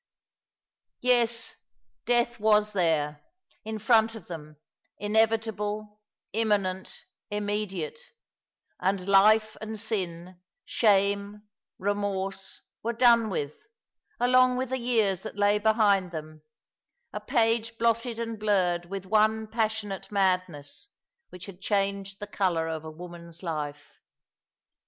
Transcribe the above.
Yes, death was there, in front of them — i]ievitable, imminent, immediate — and life and sin, shame, remorse, were done with, along with the years that lay behind them, a page blotted and blurred with one passionate madness, which had changed the colour of a woman's life.